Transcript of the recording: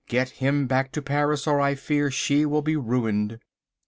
Get him back to Paris or I fear she will be ruined."